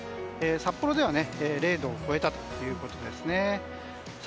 札幌では０度を超えたということですね。